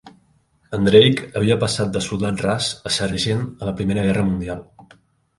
En Drake havia passat de soldat ras a sergent a la Primera Guerra Mundial.